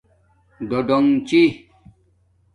ڈَڈَنک چِی